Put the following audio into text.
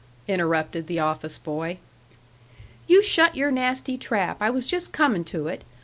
_" interrupted the office boy. "You shut your nasty trap. I was just coming to it.